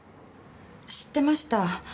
知ってました。